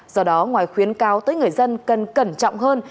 do đó ngoài khuyến cáo tới người dân cần cẩn trọng hơn